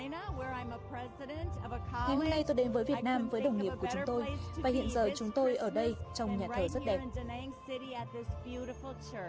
ngày hôm nay tôi đến với việt nam với đồng nghiệp của chúng tôi và hiện giờ chúng tôi ở đây trong nhà thầy rất đẹp